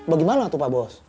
apa itu pak bos